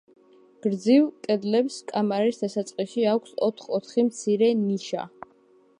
გრძივ კედლებს კამარის დასაწყისში აქვს ოთხ-ოთხი მცირე ნიშა.